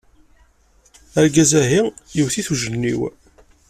Argaz-ahi iwet-it ujenniw!